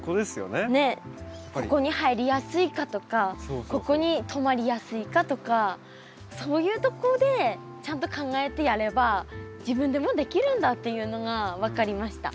ねっここに入りやすいかとかここにとまりやすいかとかそういうとこでちゃんと考えてやれば自分でもできるんだっていうのが分かりました。